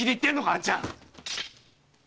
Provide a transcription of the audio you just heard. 兄ちゃん！